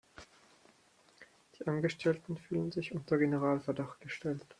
Die Angestellten fühlen sich unter Generalverdacht gestellt.